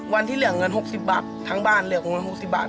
วันที่เหลือเงิน๖๐บาททั้งบ้านเหลือเงิน๖๐บาท